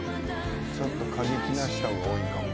ちょっと過激な人が多いかも。